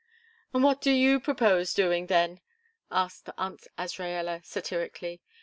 "What do you propose doing, then?" asked Aunt Azraella, satirically.